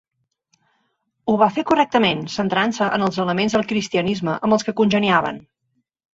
Ho va fer correctament, centrant-se en els elements del Cristianisme amb els que congeniaven.